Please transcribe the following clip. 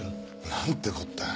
なんてこった。